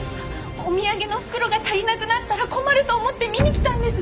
お土産の袋が足りなくなったら困ると思って見に来たんです。